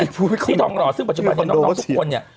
ที่ทองหล่อซึ่งปัจจุบันนี้น้องทุกคนเนี่ย